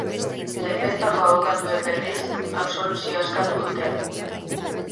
Defentsako abokatuek, berriz, absoluzioa eskatu dute.